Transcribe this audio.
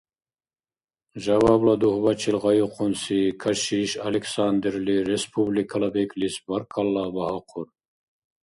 Жавабла дугьбачил гъайухъунси кашиш Александрли республикала бекӀлис баркалла багьахъур.